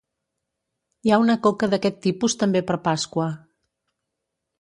Hi ha una coca d'aquest tipus també per Pasqua.